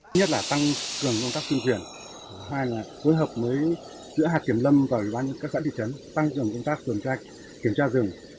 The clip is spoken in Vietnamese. mới giữa hạt kiểm lâm và ủy ban nhân dân các xã thị trấn tăng cường công tác tuần tra kiểm tra rừng